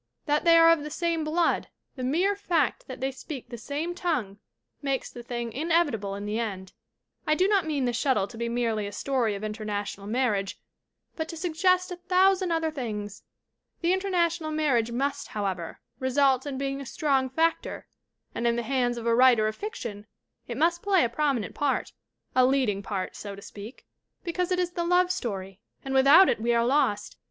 That they are of the same blood the mere fact that they speak the same tongue makes the thing inevitable in the end. "I do not mean The Shuttle to be merely a story of international marriage, but to suggest a thousand other things. The international marriage must, how ever, result in being a strong factor, and in the hands of a writer of fiction it must play a prominent part a leading part, so to speak because it is the love story, and without it we are lost.